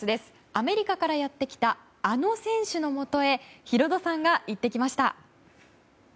アメリカからやってきたあの選手のもとへヒロドさんが行ってきました。